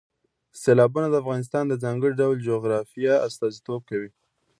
سیلابونه د افغانستان د ځانګړي ډول جغرافیه استازیتوب کوي.